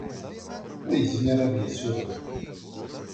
Ur yezmir ad d-yessuref.